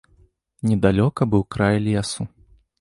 Недалёка быў край лесу.